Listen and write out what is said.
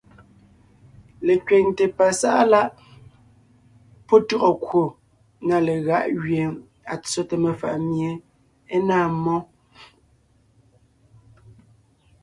Lekẅiŋte pasáʼa láʼ pɔ́ tÿɔgɔ kwò na legáʼ gẅie à tsóte mefàʼ mie é náa mmó,